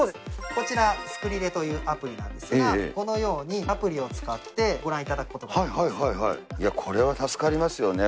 こちら、スクリレというアプリなんですが、このようにアプリを使ってご覧いこれは助かりますよね。